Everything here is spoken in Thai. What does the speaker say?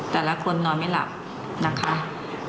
แต่ละคนนอนไม่หลับนะคะ